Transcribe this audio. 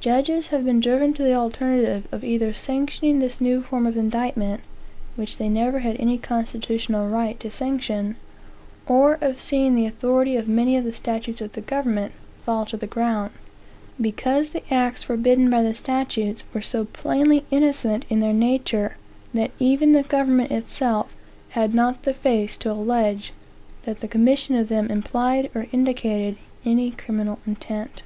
Judges have been driven to the alternative of either sanctioning this new form of indictment, (which they never had any constitutional right to sanction,) or of seeing the authority of many of the statutes of the government fall to the ground; because the acts forbidden by the statutes were so plainly innocent in their nature, that even the government itself had not the face to allege that the commission of them implied or indicated any criminal intent.